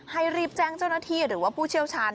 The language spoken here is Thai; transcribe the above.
รีบแจ้งเจ้าหน้าที่หรือว่าผู้เชี่ยวชาญ